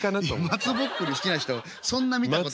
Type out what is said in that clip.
松ぼっくり好きな人そんな見たことないから。